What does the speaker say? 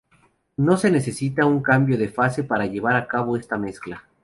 No se necesita un cambio de fase para llevar a cabo esta mezcla.